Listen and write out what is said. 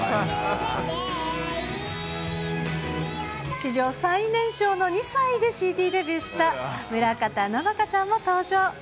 史上最年少の２歳でＣＤデビューした村方乃々佳ちゃんも登場。